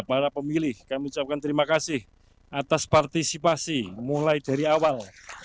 para pemilih kami ucapkan terima kasih atas partisipasi mulai dari awal